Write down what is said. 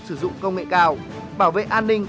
sử dụng công nghệ cao bảo vệ an ninh